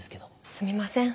すみません。